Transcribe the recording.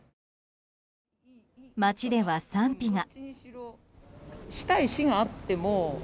街では賛否が。